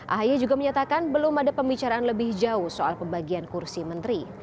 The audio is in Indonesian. ahy juga menyatakan belum ada pembicaraan lebih jauh soal pembagian kursi menteri